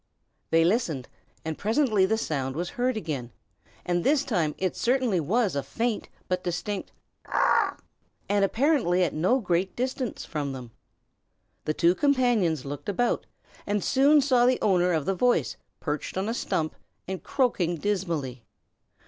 They listened, and presently the sound was heard again; and this time it certainly was a faint but distinct "Caw!" and apparently at no great distance from them. The two companions looked about, and soon saw the owner of the voice perched on a stump, and croaking dismally.